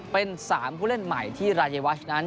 เป็น๓ผู้เล่นใหม่ที่รายวัชนั้น